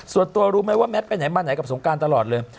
รู้ไหมว่าแมทไปไหนมาไหนกับสงการตลอดเลย